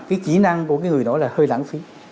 cái kỹ năng của cái người đó là hơi lãng phí